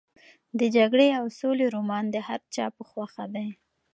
د جګړې او سولې رومان د هر چا په خوښه دی.